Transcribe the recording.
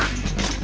aku mau lihat